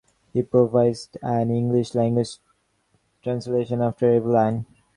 He provides an English-language translation after every line.